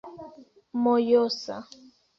mojosa